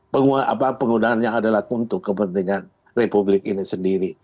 penggunaannya adalah untuk kepentingan republik ini sendiri